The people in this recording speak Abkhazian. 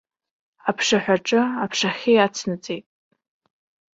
Аԥшаҳәаҿы аԥшахьы иацнаҵеит.